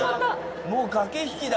もう駆け引きだ。